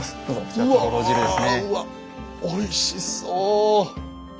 うわうわおいしそう！